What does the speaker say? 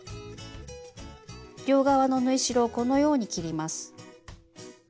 両側の縫い代をこのように切ります。